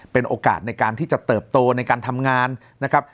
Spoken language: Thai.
เป็นโอกาสในการที่จะเติบโตในการทำงานนะครับ